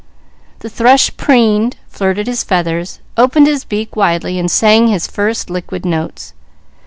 The thrush preened, flirted his feathers, opened his beak widely and sang his first liquid notes.